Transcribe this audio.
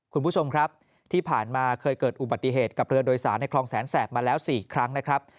คุณผู้ชมครับที่ผ่านมาเคยเกิดอุบัติเหตุกับเรือโดยสารในคลองแสนแสบมาแล้ว๔ครั้งนะครับ